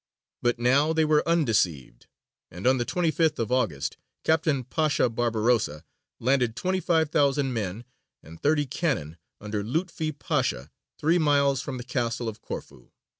But now they were undeceived, and on the 25th of August, Captain Pasha Barbarossa landed twenty five thousand men and thirty cannon under Lutfi Pasha, three miles from the castle of Corfu.